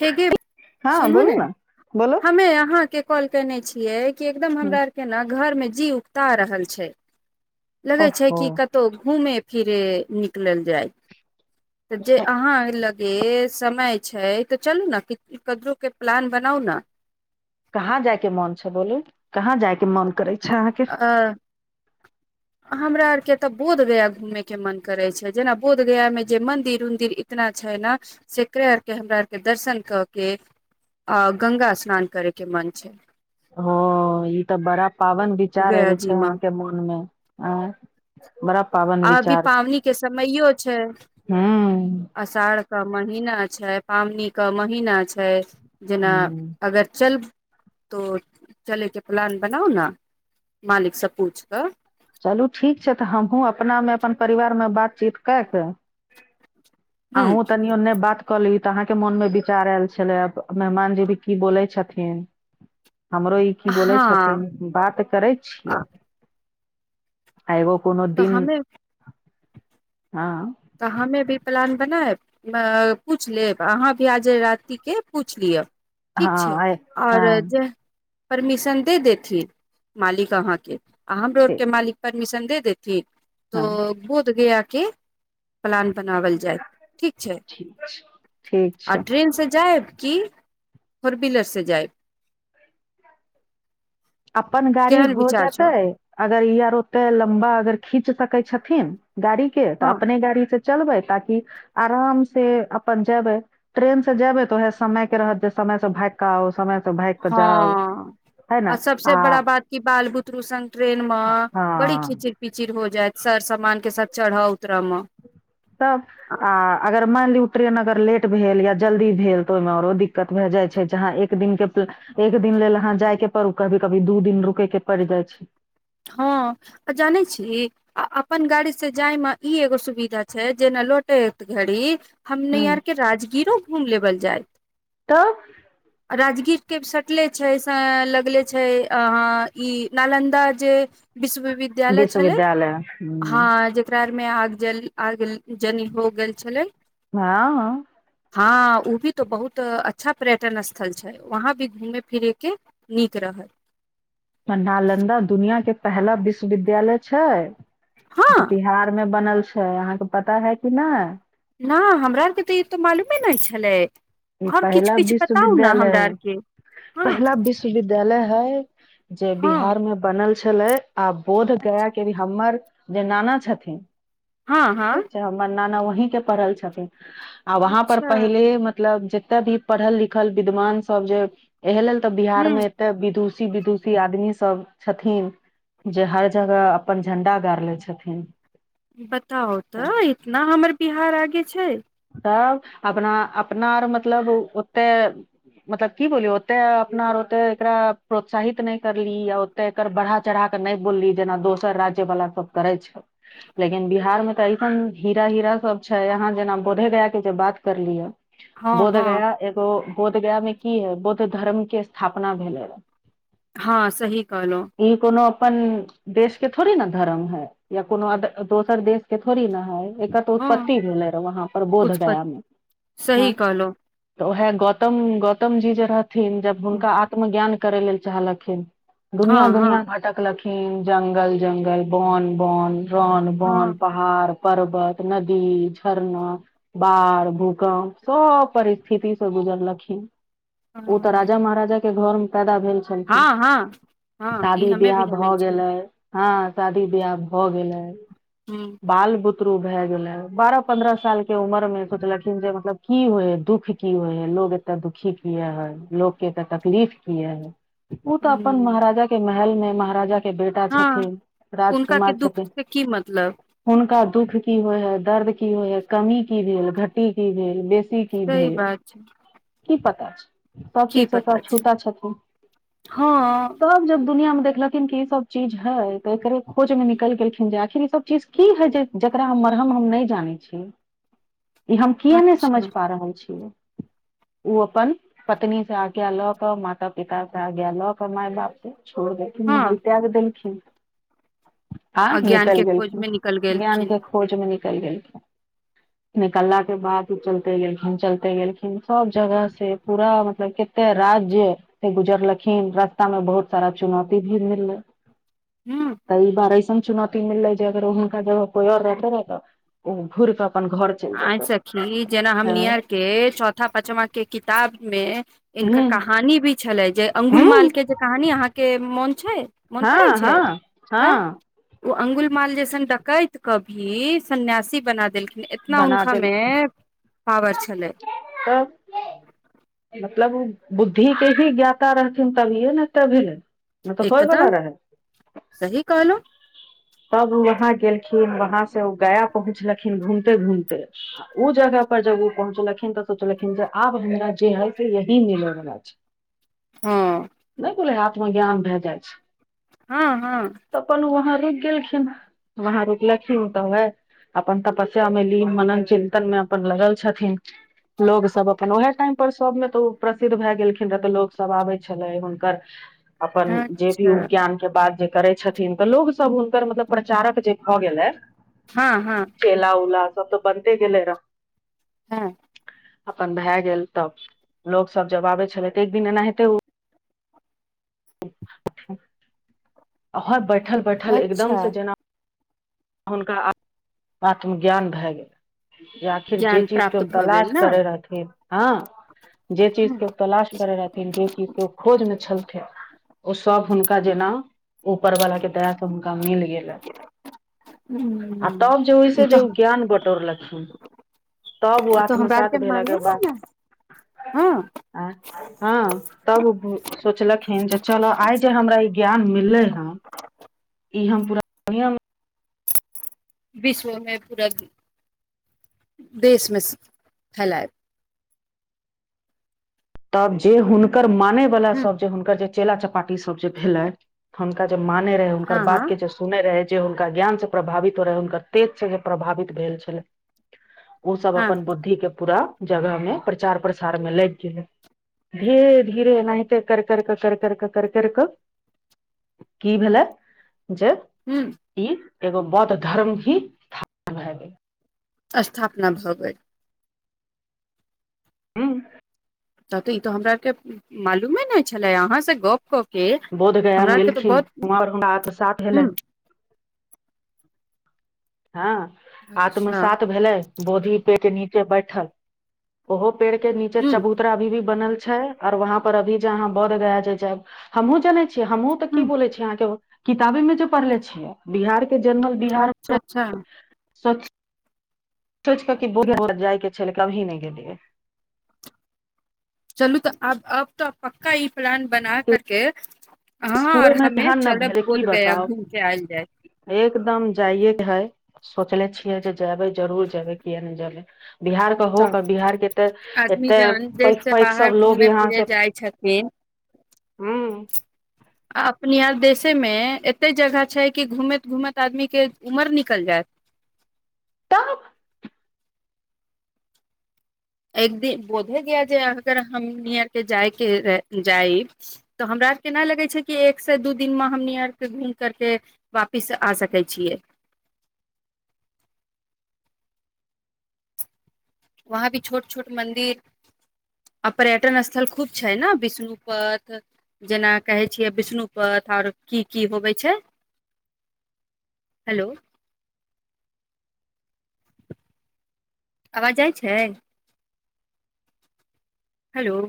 हे गे हाँ सुनू बोलू ने बोलू हमे अहाँके कॉल केने छियै एकदम हुँ, हमरा आर के ने घर मे जी उगता रहल छै लगे छै ओहो कि कतै कतो घूमे फिरे निकलल जाय तऽ जे अहाँ ल जे समय छै तऽ चलु ने क कदरो के प्लान बनाउ ने कहाँ जाय के मन छै बोलू कहाँ जाय के मन करे छै अहाँके हँ हमरा आर के तऽ बोधगया घूमे के मन करे छै जेना बोधगया मे जे मंदिर उंदिर [unintelligible] छै ने सेकरे आर के हमरा आरके दर्शन कऽ के अ गंगा स्नान करय के मन छै ह ई तऽ बड़ा पावन विचार गया एहो जी छै मे अहाँके मन मे आ बड़ा पाबन आ अभी पावनी के समयो छै हूँ अषाढ़ के महीना छै पावनी क महीना छै जेना हुँ अगर चल त चले के प्लान बनाउ ने मालिक से पूछ क चलू ठीक छै तऽ हमहूँ अपनामे अपन परिवारमे बातचीत कए कऽ ह अहूँ तनियो ओनो बात कहली त अहाँके मोन मे विचार आयल छले आब मेहमानजी भी की बोले छथिन हमरो ई की बोले छथिन हँ बात करै छियै आ एगो कोनो तऽ दिन हमे हँ तऽ हमे भी प्लान बनाएब पूछि लेब अहाँ भी आ जाय रातीके पूछि लिअ ठीक छै हँ आइ और हँ जे परमिशन दे देथिन मालिक अहा केँ आ हमरो छै आर के मालिक परमिशन दे देथि तो हँ बोध गया के प्लान बनावल जायत ठीक छै ठीक छै ठीक आ छै ट्रेन से जायब की फोर बीलर से जाएब अपन गाड़ी केहन हो विचार छौ जेतै अगर ई आर ओते लम्बा अगर खींच सकै छथिन गाड़ी के तऽ हँ अपने गाड़ी से चलबै ताकि आराम से अपन जेबै ट्रेन से जेबै त उएह समय के रहत जे समय से भागके आउ सम स भाय कऽ हँ जाउ तै आ न सबसे बड़ा बात क बाल बुतरू संग ट्रेन मे बड़ी हँ खिचड पिचिड़ हो जायत सर समान के साथ चढ़ऽ उतरय म त आ अगर मैन लिय ट्रेन अगर लेट भेल या जल्दी भेल तऽ ओहिमे आओरो दिक्कत भए जाइत छै जहाँ ए एक दिन के एक दिन लेल अहाँ जाय के पड़ू कभी कभी दू दिन रुकै के पड़ जाइ छ हँ आ जानै छ आ अपन गाड़ी से जाय मे ई एगो सुविधा छै जेना लौटे घड़ हमनी आर हूँ के राजगीरो घूम लेबल जायइ त राजगीर के सटले छै से लगले छै अह ई नालन्द जे विश्वविद्यालय छले विश्वविद्यालय हा मे आग जल आग जन हो गेल छल ह हँ उ भी तो बहुत अच्छा पर्यटन स्थल छ वहा भी घूमे फिरे के नीक रह नालन्दा दुनिया के पहला विश्वविद्यालय छ जे हँ बिहार में बनल छै अहाँके पता है कि न नाह हमरा आरके तऽ ई तो मालूमे नहि छल ई ओर किछ पहिला किछ बताउ ने विश्वविद्यालय हमरा है आरक पहिला विश्वविद्यालय है जे बिहार हँ मे बनल छल आ बोध गया के भी हमर जे नाना छथिन हँ हँ ठीक छ न न वहीं के पढ़ल छथिन और वहां पर अच्छा पहिल मतलब जते भी पढ़ल लिखल विद्वान सब जे एहि लेल तऽ बिहार ह म त विदुषी विदुषी आदमी सब छथि जे हर जगह अपन झंडा गाड़ ले छथिन बताउ त इतना हमर बिहार आगे छ तब अपना अपना आर मतलब ओते मतलब की बोलियौ ओते अपनार ओते एकरा प्रोत्साहित नहि करली तऽ एकर बढ़ा चढ़ाके नहि बोलली जेना दोसर राज्य वाला सब करै छ लेकिन बिहार में त ऐसन हीरा हीरा सब छै यहाँ जेन बोधगया के जब बात करली है हँ हँ बोधगया एगो बोधगया मे की है बौद्ध धर्म के स्थापना भेलै र हँ सही कहल‌ऊ ई कोनो अप देश के थोड़ी ने धर्म है या कोनो दोसर देश के थोड़ी न है एक त हँ उत्पति भेले रह वहाँ पर उत्पत बोधगया मे सही कहलहु तऽ उएह गौतम गौतम जी जे रहथिन जब हुनका आत्म ज्ञा करै लेल चाहलखिन हँ दुनिया हँ दुनिया हँ भटकलखि जंगल जंगल बन बन रन बन हँ पहाड पर्बत नदी झरन बाढ़ भूकम्प सभ परिस्थिति सँ गुजरलखि ओ तऽ राजा महाराजा के घर मे पैदा भे छलखिन हँ हँ हँ ई शादी हमे भी बियाह जानै भ छियै गेल हँ शादी बियाह भए गेल अय ह बाल ब शुरू भाए गेले है बारह पंन्द्रह साल क के उमर मे सोचलखिन जे मतलब की होइ है दुःख की होइ है लोग एते दुखी किया है लो के तऽ तकलीफ कि है ओ तऽ अपन महाराजा के महलमे महाराजा क के बेटा ह हँ छथिन हुनका के राजकुमार दुःख छथि से की मतलब हुनका दुःख की होइ है, दर्द कि होइ है कमी कि भेल घटी कि भेल बेसी। की सही भेल? बात छै की पता। सभ की चीज तऽ पता छै छूता छथिन हँ तब जब दुनियामे देखल। ई, सभ चीज है। तऽ एकरे खोज मेमे निकल गेलखिन जे आखिर ई, सभ चीज की है जे। जकरा हम मरहम हम ने जाने छीये। ई, हम किए नहि समझ अच्छा पा रहल छियै। ओ अपन पत्नीसे आज्ञा लक माता पिता मसे आज्ञा लक। माय बाप के छोड़ देलखिन महल हँ त्याग देलखिन। आ अज्ञान निकैल के खोज गेलखिन मे निकल गेलखिन ज्ञानके खोजमे निकैल गेलखिन। निकलाके बाद चलते गेलखिन चलते गेलखिन सभ जगह से पूरा मतलब के। एते राज्यसे गुजरलखिन रास्तामे बहुत सारा चुनौती भी मिललै। हूँ। काइ बार ऐसन चुनौती मिलले जे, अगर हुनका जगह कोई और रहते रह त ओ घुरके अपन घर। चलि आ जेतै सखी जेना हम हँ नियरके चौथा पचमाके किताबमे। हिनकर हूँ कहानी भी छलै, जे अंगुल हूँ मालके जे कहानी अहाँकेँ मोन छै। मोन पड़ै हँ, छै हँ, तऽ हँ। ओ अंगुल माल जैसन डकैतके भी सन्यासी बना देलखिन एत। एतना बना हुनकामे देलखिन पावर छलै। तब। मतलब बुद्धिके भी ज्ञाता रहथिन तभि ने तभी। नहि तऽ होयवला एकदम रहै सही कहलो। तब वहा गेलखिन वहासे ओ गया पहुँचलखिन घूमते घूमते। उ जगह पर, जब उ पहुँचलखिन्ह तऽ। सोचलखिन जे आब हमरा जे है से यही मिल रहल अछि। हँ ने बोलै है, आत्मज्ञान भाए जाइ अछि। हँ, हँ। त अपन वहाँ रुकि गेलखिन वहाँं रुकलखिन त वेहा। अपन तपस्यामे ली मनन चिन्तनमे अपन लगल छथिन। लोग सभ अपन ओहे टाइम पर सभमे तऽ ओ प्रसिद्ध भए गेलखिन रहे तऽ लोग सभ आबे छले हुनकर। [inaudible] अपन जे भी उ अच्छा ज्ञानके बात जे करै छथिन तऽ लोग। सभ हुनकर मतलब प्रचारक जे भऽ गेलै। हँ, हँ। चला ऊला सभ तऽ बनते गेलै हँ रहै। अपन भए गेल तब लोग सभ जब आबे छले तऽ एक दिन एना हेते। आर बैठल बैठल अच्छा एकदमसे जेना। हुनका आत्मज्ञान भए गेलन। आखिर जे ज्ञान चीजके ओ प्राप्त भऽ गेल तलाश ने करै रहथिन, हँ। जे चीजके तलाश ह करै रहथिन जे चीजके ओ खोजमे छलथिन। ओ सभ हुनका जेना ऊपर वालाके दयासे हुनका मिल गेले। [unintelligible] हूँ। आ तब जे होइस जे ओ ज्ञान बतोर लखिन तब ओ ई तो हमरा आत्मसात आरके भेलाके मालूम है बाद ने हँ हँ। तब सोचलखिन जे चल आइ जे हमरा ई ज्ञान मिलले हूँ। ई, हम पूरा दुनिया। विश्वमे पूरा देशमे फैलाय। तब जे हुनकर माने वला ह सभ जे हुनकर जे। चेला चपाटी सभ जे भेलै हुनका जे माने रहै हुनकर हँ बात हँ के जे। सुनै रहै जे हुनका ज्ञान से प्रभावित हो रहै हुनकर तेज से जे प्रभावित भेल छलै। ओ सब हँ अपन बुद्धि के पूरा जगह मे प्रचार प्रसार मे लाग गेल धीरे धीरे नते कर कर क कर करक कर करर् की भेला ज ह ई एगो बौद्ध धर्म ही स्थान भए गे स्थपना भब हू तते ई तो हमरा आर के मालूमे नहि छले अहाँ से ग क के बोधगया हमरा मे आरके तऽ एलखिन बहुत वहाँ पर हुनका आत्मसात भेलै हँ अच्छा आत्मसात भेलै बोधी पे के नीचे बैठ ओहो पेड़ के नीचे ह चबूतरा अभी भी बनल छै आऔर वहाँ पर अभी जे अहाँ बौद्ध गाय जे छै हमहुँ जाने छियै हमहुँ तऽ ह की बोले छीियै अहाँ के किताबे मे जे पढ़ले छियै बिहार क के जनरल बिहा अच्छा अच् स सोचिकऽ क बूढ़े ब जाय के छै छल कभी नहि गेलिय चलू तऽ आब अब तो पक्का ई प्लान बना करक ह और स्कूल मे हमे तेहन ने चरब भेलै की बोध गया बताउ घूम के आयल जा एकदम जाइएके है सोचले छियै जे जेबै जरूर जेबै किए नहि जेब बिहारके त होक बिहारके तऽ आदमी एते जहन देश पैघ से पैघ बाहर सब लोग घूमे यहाँ फिरे स जाइ छथिन ह आ अप आ देशेमे एते जगह छै कि घूमैत घूमैत आदमीके उमर निकल जाय तऽ एक दिन बोधे गया जे अगर हम नरके जायके रह जा तऽ हमरा आर के एना लगै छै कि एक से दू दिनमे हमनी आरके घूम करक वापिस आ सकै छिय वहाँ भी छोट छोट मन्दि आ पर्यटन स्थल खूब छै ने विष्णुप जेना कहै छियै विष्णुपथ ओर की की होबै छ हेल आवाज जाइ छ हेल